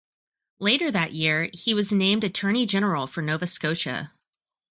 Later that year, he was named attorney general for Nova Scotia.